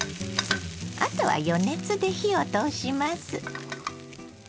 あとは余熱で火を通します。